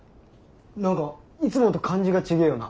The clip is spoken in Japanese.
何かいつもと感じが違えよな。